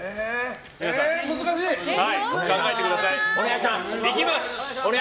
皆さん考えてください。